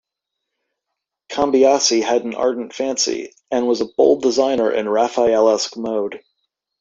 Cambiasi had an ardent fancy, and was a bold designer in a Raphaelesque mode.